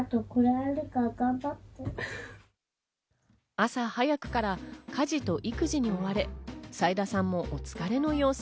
朝早くから家事と育児に追われ、齋田さんもお疲れの様子。